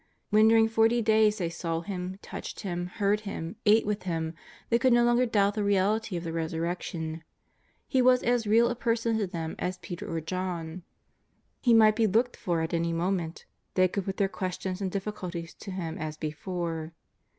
When during forty days they saw Him, touched Him, heard Him, ate with Him, they could no longer doubt the reality of the Resurrec tion. He was as real a person to them as Peter or John; He might be looked for at any moment; they could put their questions and difficulties to Him as before.